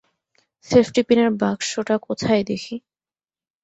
সেফটিপিনের বাক্সটা কোথায় দেখি।